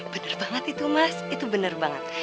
bener banget itu mas itu bener banget